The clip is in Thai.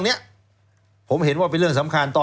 แล้วเขาก็ใช้วิธีการเหมือนกับในการ์ตูน